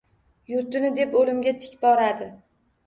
Yurtini deb o‘limga tik boradi.